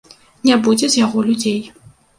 Не будзе з яго людзей.